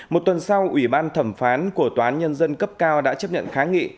một tuần sau ủy ban thẩm phán của tòa án nhân dân cấp cao đã chấp nhận kháng nghị